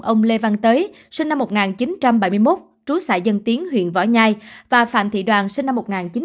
ông lê văn tới sinh năm một nghìn chín trăm bảy mươi một trú xã dân tiến huyện võ nhai và phạm thị đoàn sinh năm một nghìn chín trăm tám mươi